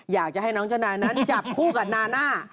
อยากจะให้น้องเจ้านายนั้นจับคู่กับนาน่า